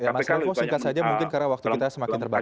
mas revo singkat saja mungkin karena waktu kita semakin terbatas